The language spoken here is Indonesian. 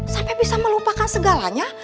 sampai bisa melupakan segalanya